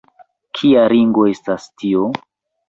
kia ringo estas tio?